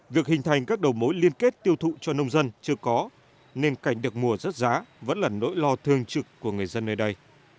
việc hình thành các đầu mối liên kết tiêu thụ cho nông dân chưa có nên cảnh được mùa rớt giá vẫn là nỗi lo thường trực của người dân nơi đây